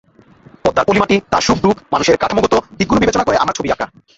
পদ্মার পলিমাটি, তার সুখ-দুঃখ, মানুষের কাঠামোগত দিকগুলো বিবেচনা করে আমার ছবি আঁকা।